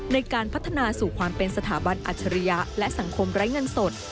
ในการพัฒนาสู่ความเป็นสถาบันอัจฉริยะและสังคมไร้เงินสด